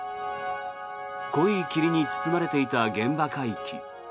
濃い霧に包まれていた現場海域。